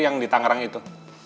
yang di tangerang itu